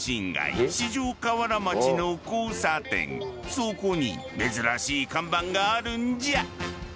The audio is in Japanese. そこに珍しい看板があるんじゃ。